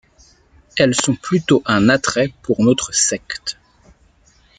Elles sont plutôt un attrait pour notre secte.